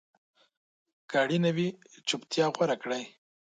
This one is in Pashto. که اړینه وي، چپتیا غوره کړئ.